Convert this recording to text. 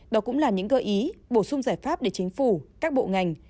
đó cũng là những gợi ý bổ sung giải pháp để chính phủ các bộ ngành